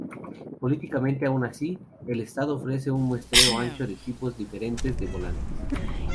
Políticamente aun así, el estado ofrece un muestreo ancho de tipos diferentes de votantes.